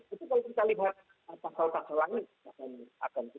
itu kalau kita libat pasal pasal itu